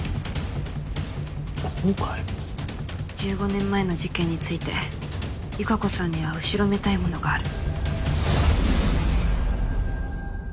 １５年前の事件について由香子さんには後ろめたいものがある。